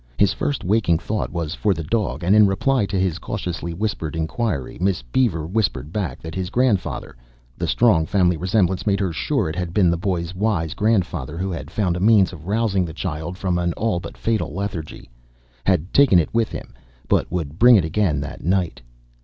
His first waking thought was for the dog and in reply to his cautiously whispered inquiry Miss Beaver whispered back that his grandfather (the strong family resemblance made her sure it had been the boy's wise grandfather who had found a means of rousing the child from an all but fatal lethargy) had taken it with him but would bring it again that night.